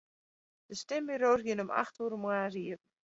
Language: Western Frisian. De stimburo's geane om acht oere de moarns iepen.